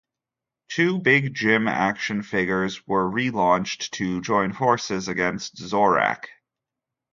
Two Big Jim action figures were relaunched to join forces against Zorak.